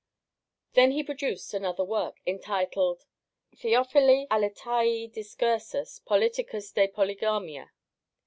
Then he produced another work, entitled Theophili Aletaei discursus politicus de Polygamia.